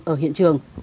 ở hiện trường